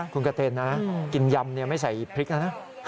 คุณกระเตนกินยำไม่ใส่พริกนะ